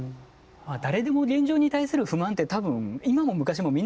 誰でも現状に対する不満って多分今も昔もみんな持ってるはずでしょうし。